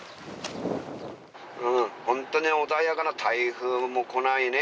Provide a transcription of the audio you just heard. ホントに穏やかな台風も来ないね